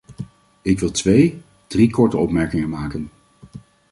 Ik wil twee, drie korte opmerkingen maken.